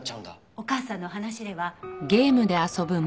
お母さんの話では。